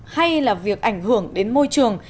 hay là việc ảnh hưởng đến môi trường